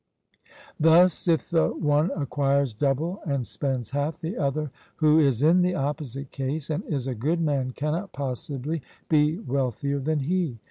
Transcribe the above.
Thus, if the one acquires double and spends half, the other who is in the opposite case and is a good man cannot possibly be wealthier than he.